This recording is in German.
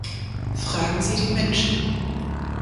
Fragen Sie die Menschen!